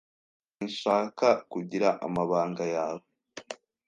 Sinshaka kugira amabanga yawe.